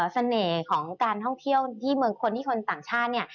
เสน่ห์ของการท่องเที่ยวที่เมืองคนที่คนต่างชาติเนี่ย